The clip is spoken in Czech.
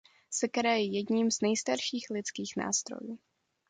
Sekera je jedním z nejstarších lidských nástrojů.